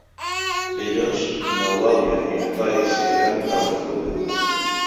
Dilluns n'Eulàlia i na Thaís iran a Altafulla.